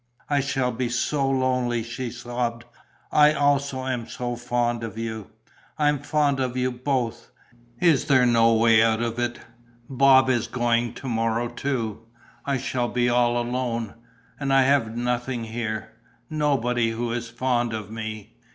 "I shall be so lonely!" she sobbed. "I also am so fond of you, I am fond of you both. Is there no way out of it? Bob is going to morrow too. I shall be all alone. And I have nothing here, nobody who is fond of me...."